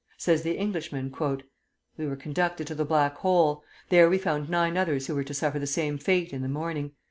Says the Englishman, "We were conducted to the Black Hole. There we found nine others who were to suffer the same fate in the morning.